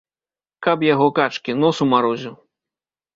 Каб яго качкі, нос умарозіў.